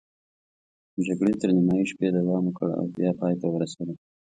جګړې تر نیمايي شپې دوام وکړ او بیا پای ته ورسېده.